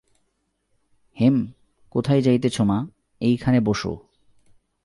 হেম, কোথায় যাইতেছ মা, এইখানে বোসো।